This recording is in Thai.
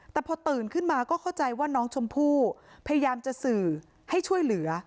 แต่พอตื่นขึ้นมาก็เข้าใจว่าน้องชมพู่พยายามจะสื่อให้ช่วยเหลือ